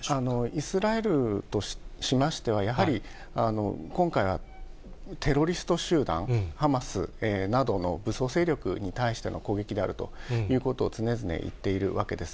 イスラエルとしましては、やはり今回はテロリスト集団、ハマスなどの武装勢力に対しての攻撃であるということをつねづね言っているわけです。